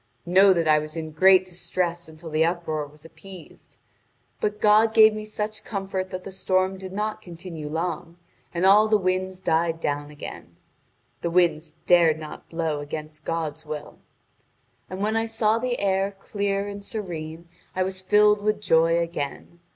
Know that I was in great distress until the uproar was appeased. But God gave me such comfort that the storm did not continue long, and all the winds died down again. The winds dared not blow against God's will. And when I saw the air clear and serene I was filled with joy again.